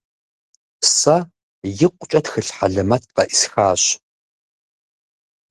Сэ икъукӀэ тхылъ хьэлэмэт къеӀысхащ.